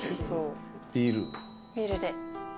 ビールで。